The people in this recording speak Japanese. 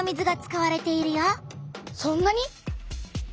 そんなに？